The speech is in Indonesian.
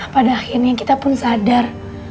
pada akhirnya kita pun sadar